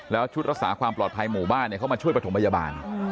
แล้วชุดรักษาความปลอดภัยหมู่บ้านเขามาช่วยประถมพยาบาล